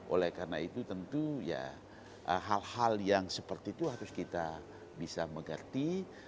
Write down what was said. oleh karena itu tentu ya hal hal yang seperti itu harus kita bisa mengerti